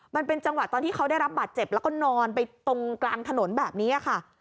มันเป็นจังหวะตอนที่เขาได้รับบาดเจ็บแล้วก็นอนไปตรงกลางถนนแบบนี้ค่ะ